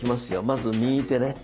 まず右手ね。